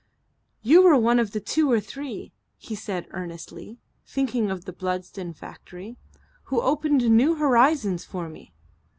"You were one of the two or three," he said earnestly, thinking of the Bludston factory, "who opened new horizons for me."